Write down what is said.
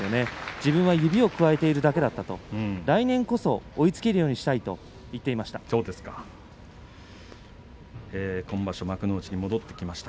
自分は指をくわえているだけだった、来年こそは追いつける幕内に戻ってきました